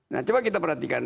nah coba kita perhatikan